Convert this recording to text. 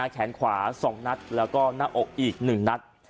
แขนขวา๒นัดแล้วก็หน้าอกอีก๑นัด